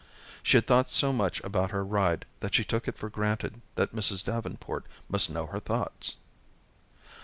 She had thought so much about her ride that she took it for granted that Mrs. Davenport must know her thoughts.